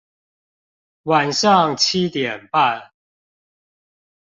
晚上七點半